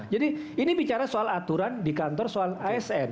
jadi ini bicara soal aturan di kantor soal asn